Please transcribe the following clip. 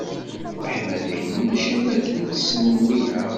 Leḥmala-inu mačči am wakken i tt-ssnen wiyaḍ.